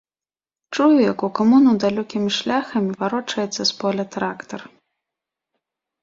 Чую, як у камуну далёкім шляхам варочаецца з поля трактар.